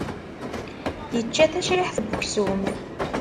Yečča tacriḥt n uksum.